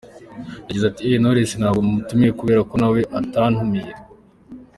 Yagize ati “Eeeeh Knowless ntabwo namutumiye kubera ko nawe atantumiye.